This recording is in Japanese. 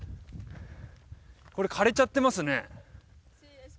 これ枯れちゃってますね